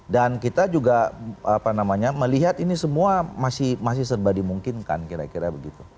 dan kita juga melihat ini semua masih serba dimungkinkan kira kira begitu